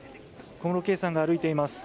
小室圭さんが歩いています。